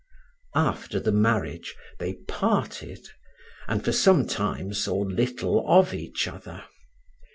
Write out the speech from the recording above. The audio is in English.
After the marriage, they parted and for some time saw little of each other.